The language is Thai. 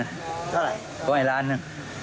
เท่าไหร่ต้องให้ล้านนึง